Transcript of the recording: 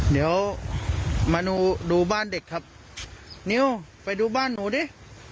เดี๋ยวมาดูดูบ้านเด็กครับนิวไปดูบ้านหนูดิ